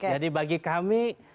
jadi bagi kami